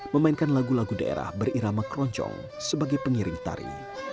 memainkan lagu lagu daerah berirama keroncong sebagai pengiring tari